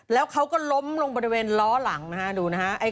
แล้วเขาก็ล้มลงบริเวณล้อหลังนะฮะดูนะฮะ